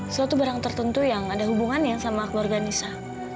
suatu barang tertentu yang ada hubungannya sama keluarga nisa